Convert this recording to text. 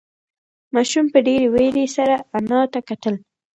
ماشوم په ډېرې وېرې سره انا ته کتل.